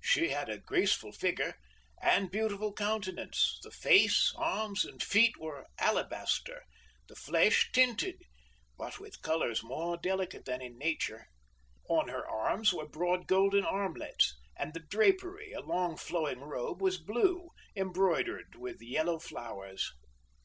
She had a graceful figure and beautiful countenance; the face, arms and feet were alabaster, the flesh tinted, but with colors more delicate than in nature. On her arms were broad golden armlets, and the drapery, a long flowing robe, was blue, embroidered with yellow flowers.